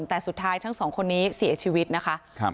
แต่สุดท้ายทั้งสองคนนี้เสียชีวิตนะคะ